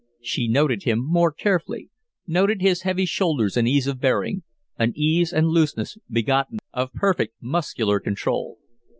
She noted him more carefully; noted his heavy shoulders and ease of bearing, an ease and looseness begotten of perfect muscular control.